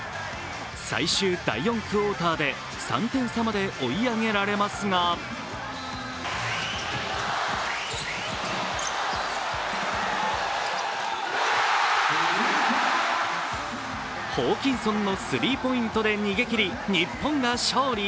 最終第４クオーターで３点差まで追い上げられますがホーキンソンのスリーポイントで逃げきり日本が勝利。